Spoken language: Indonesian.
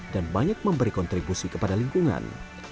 dan banyak memberi kontribusi kepada lingkungan